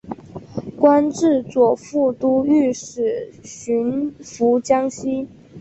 官至左副都御史巡抚江西。